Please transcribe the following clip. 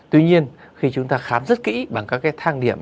tuy nhiên khi chúng ta khám rất kỹ bằng các cái thang điểm